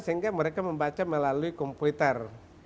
sehingga mereka membaca melalui komputer